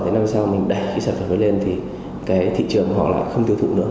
thế năm sau mình đẩy sản phẩm mới lên thì thị trường họ lại không tiêu thụ nữa